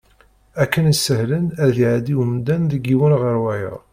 Akken isehlen ad iɛeddi umdan deg yiwen ɣer wayeḍ.